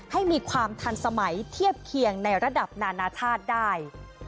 ให้มีความทันสมัยเทียบเคียงในระดับนานาชาติได้